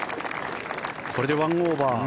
これで１オーバー。